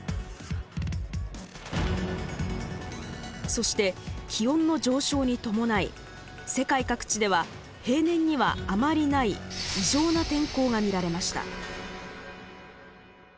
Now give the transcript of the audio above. そして気温の上昇に伴い世界各地では平年にはあまりない異常な天候が見られました。